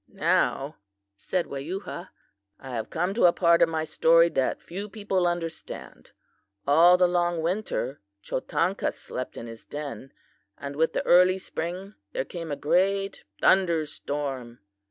"Now," said Weyuha, "I have come to a part of my story that few people understand. All the long winter Chotanka slept in his den, and with the early spring there came a great thunder storm.